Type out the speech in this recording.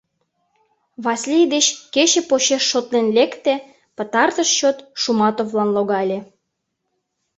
Васлий деч кече почеш шотлен лекте, пытартыш чот Шуматовлан логале.